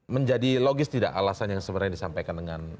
menjadi logis tidak alasan yang sebenarnya disampaikan dengan